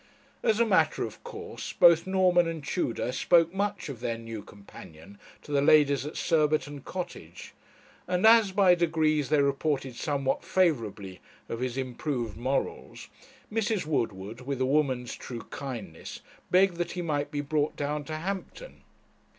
As a matter of course, both Norman and Tudor spoke much of their new companion to the ladies at Surbiton Cottage, and as by degrees they reported somewhat favourably of his improved morals, Mrs. Woodward, with a woman's true kindness, begged that he might be brought down to Hampton.